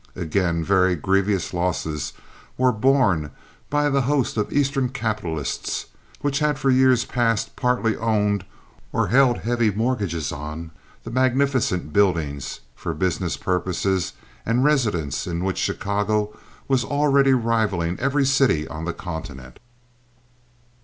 Again, very grievous losses were borne by the host of eastern capitalists which had for years past partly owned, or held heavy mortgages on, the magnificent buildings for business purposes and residences in which Chicago was already rivaling every city on the continent.